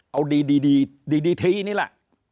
เอาดีดีทีนี่แหละ